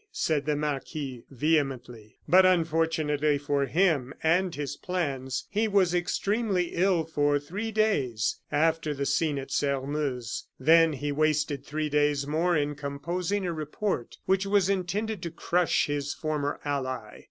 said the marquis, vehemently. But, unfortunately for him and his plans, he was extremely ill for three days, after the scene at Sairmeuse; then he wasted three days more in composing a report, which was intended to crush his former ally.